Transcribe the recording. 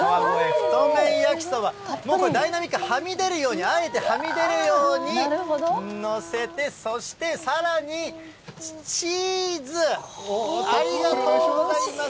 続いて、もともとあったＢ級グルメの川越太麺焼きそば、ダイナミックに、はみ出るように、あえてはみ出るように載せて、そしてさらに、チーズ、ありがとうございます。